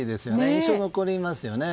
印象に残りますよね。